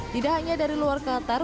tidak hanya dari luar qatar